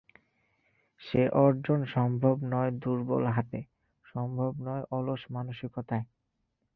সে অর্জন সম্ভব নয় দুর্বল হাতে, সম্ভব নয় অলস মানসিকতায়।